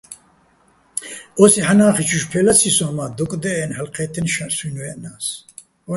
ოსი ჰ̦ანახიჩუჲშვ ფე ლაცი სოჼ, მა დოკ დეჸენო̆, ჰ̦ალო ჴეთთენო̆ სუჲნი̆ ვეჸნას.